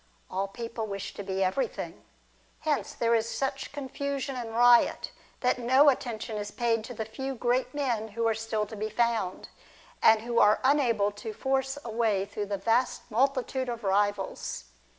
All people wish to be everything. Hence, there is such confusion and riot, that no attention is paid to the few great men who are still to be found, and who are unable to force a way through the vast multitude of rivals.